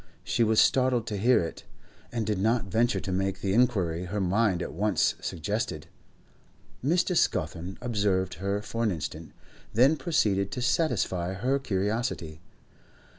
She was startled to hear it, and did not venture to make the inquiry her mind at once suggested. Mr. Scawthorne observed her for an instant, then proceeded to satisfy her curiosity.